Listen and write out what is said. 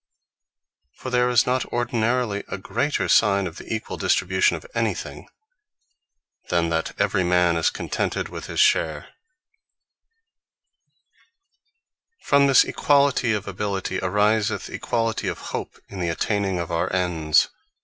For there is not ordinarily a greater signe of the equall distribution of any thing, than that every man is contented with his share. From Equality Proceeds Diffidence From this equality of ability, ariseth equality of hope in the attaining of our Ends.